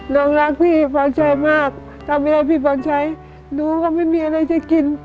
ลุงรักพี่พ่อนชัยมากทำไมพี่พ่อนชัยลูกเขาไม่มีอะไรจะกิน